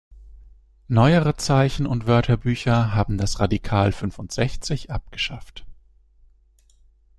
Neuere Zeichen und Wörterbücher haben das Radikal 支 abgeschafft.